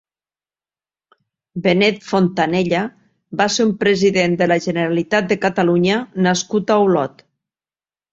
Benet Fontanella va ser un president de la Generalitat de Catalunya nascut a Olot.